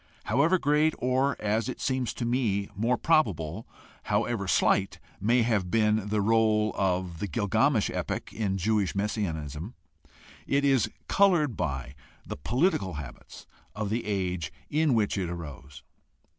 However great or, as it seems to me more probable, however slight may have been the role of the Gilgamesh epic in Jewish messianism, it is colored by the political habits of the age in which it arose.